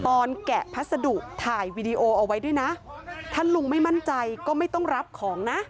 แกะพัสดุถ่ายวีดีโอเอาไว้ด้วยนะถ้าลุงไม่มั่นใจก็ไม่ต้องรับของนะ